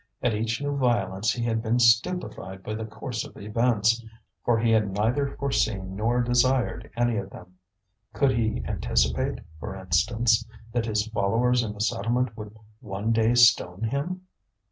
At each new violence he had been stupefied by the course of events, for he had neither foreseen nor desired any of them. Could he anticipate, for instance, that his followers in the settlement would one day stone him?